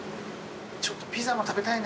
ちょっとピザも食べたいね。